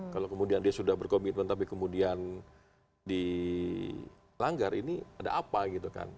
kalau kemudian dia sudah berkomitmen tapi kemudian dilanggar ini ada apa gitu kan